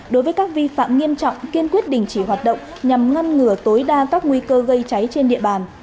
đối với các vi phạm nghiêm trọng kiên quyết đình chỉ hoạt động nhằm ngăn ngừa tối đa các nguy cơ gây cháy trên địa bàn